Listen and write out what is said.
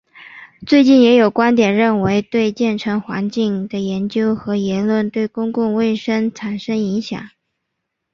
最近也有观点认为对建成环境的研究和言论对公共卫生产生影响。